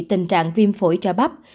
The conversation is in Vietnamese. tình trạng viêm phổi cho bắp